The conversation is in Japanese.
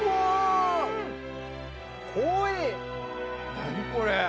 何これ！